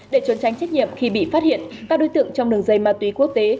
để trốn tránh trách nhiệm khi bị phát hiện các đối tượng trong đường dây ma túy quốc tế